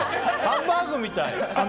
ハンバーグみたい！